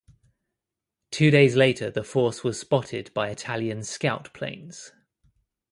Two days later the force was spotted by Italian scout planes.